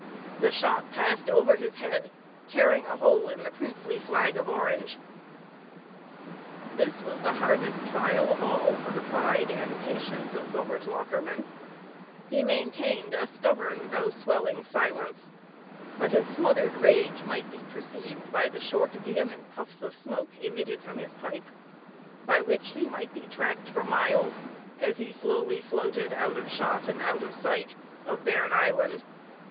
The shot passed over his head, tearing a hole in the "princely flag of Orange." This was the hardest trial of all for the pride and patience of Govert Lockerman; he maintained a stubborn though swelling silence, but his smothered rage might be perceived by the short vehement puffs of smoke emitted from his pipe, by which he might be tracked for miles, as he slowly floated out of shot and out of sight of Bearn Island.